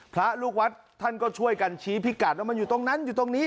พระลูกวัดท่านก็ช่วยกันชี้พิกัดว่ามันอยู่ตรงนั้นอยู่ตรงนี้